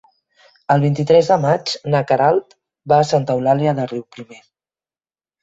El vint-i-tres de maig na Queralt va a Santa Eulàlia de Riuprimer.